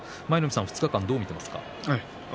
２日間どう見ていますか？